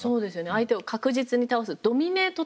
相手を確実に倒すドミネートタックル。